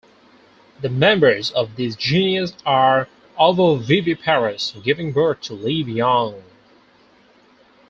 The members of this genus are ovoviviparous, giving birth to live young.